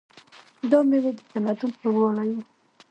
دا مېوې د تمدن خوږوالی و.